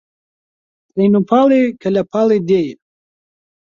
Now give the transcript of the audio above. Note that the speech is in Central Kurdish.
پەین و پاڵێ کە لە پاڵی دێیە